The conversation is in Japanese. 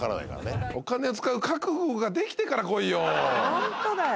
ホントだよ。